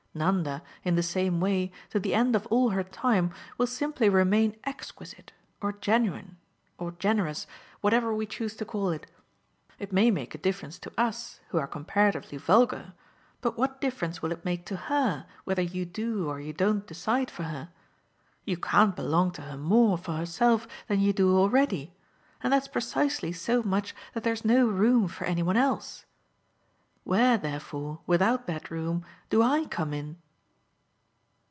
Nanda, in the same way, to the end of all her time, will simply remain exquisite, or genuine, or generous whatever we choose to call it. It may make a difference to us, who are comparatively vulgar, but what difference will it make to HER whether you do or you don't decide for her? You can't belong to her more, for herself, than you do already and that's precisely so much that there's no room for any one else. Where therefore, without that room, do I come in?"